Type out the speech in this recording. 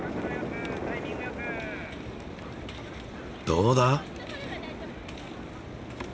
どうだ？